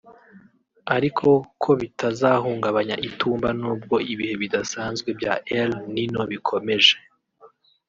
ariko ko bitazahungabanya Itumba nubwo ibihe bidasanzwe bya El-Nino bikomeje